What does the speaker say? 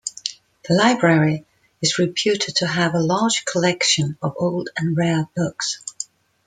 The library is reputed to have a large collection of old and rare books.